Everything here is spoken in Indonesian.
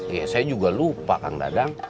iya saya juga lupa kang dadang